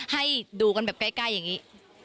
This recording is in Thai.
ให้ดูกันแบบใกล้อย่างนี้